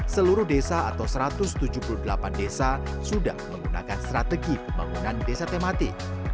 seluruh desa atau satu ratus tujuh puluh delapan desa sudah menggunakan strategi pembangunan desa tematik